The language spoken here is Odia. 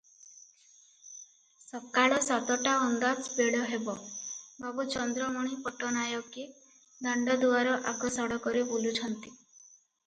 ସକାଳ ସାତଟା ଅନ୍ଦାଜ ବେଳ ହେବ, ବାବୁ ଚନ୍ଦ୍ରମଣି ପଟ୍ଟାନାୟକେ ଦାଣ୍ଡଦୁଆର ଆଗ ସଡ଼କରେ ବୁଲୁଛନ୍ତି ।